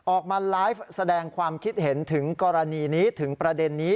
ออกมาไลฟ์แสดงความคิดเห็นถึงกรณีนี้ถึงประเด็นนี้